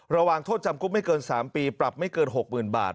ระวางทศจำกรุงไม่เคย๓ปีปรับไม่เกิน๖๐๐๐๐บาท